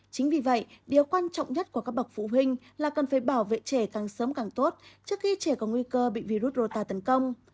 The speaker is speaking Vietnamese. chính vì vậy điều quan trọng nhất của các bậc phụ huynh là cần phải bảo vệ trẻ càng sớm càng tốt trước khi trẻ có nguy cơ bị virus rota tấn công